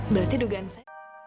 berarti dugaan saya